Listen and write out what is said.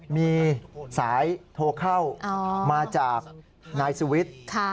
มีสายโทรเข้ามาจากนายสุวิทย์